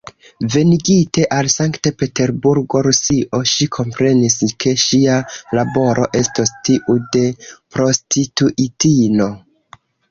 Venigite al Sankt-Peterburgo, Rusio, ŝi komprenis, ke ŝia laboro estos tiu de prostituitino.